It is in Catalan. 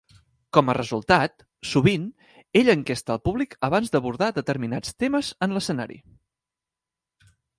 Com a resultat, sovint, ell enquesta al públic abans d'abordar determinats temes en l'escenari.